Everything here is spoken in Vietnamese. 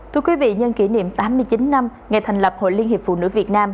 thưa quý vị nhân kỷ niệm tám mươi chín năm ngày thành lập hội liên hiệp phụ nữ việt nam